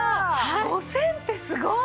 ５０００ってすごい！